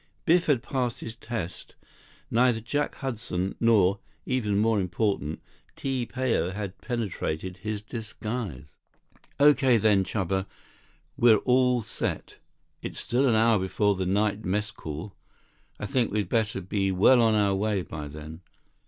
Biff had passed his test. Neither Jack Hudson nor, even more important, Ti Pao, had penetrated his disguise. "Okay then, Chuba. We're all set. It's still an hour before the night mess call. I think we'd better be well on our way by then.